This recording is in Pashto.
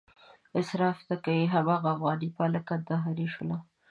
اصراف نه کوي هماغه افغاني پالک، کندهارۍ شوله.